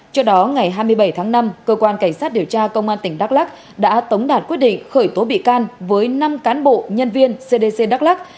trước đó ngày hai mươi bảy tháng năm cơ quan cảnh sát điều tra công an tỉnh đắk lắc đã tống đạt quyết định khởi tố bị can với năm cán bộ nhân viên cdc đắk lắc